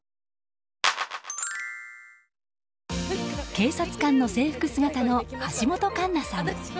警察官の制服姿の橋本環奈さん。